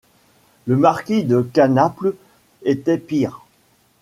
Le marquis de Canaples était pire.